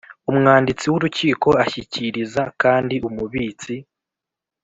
Umwanditsi w urukiko ashyikiriza kandi Umubitsi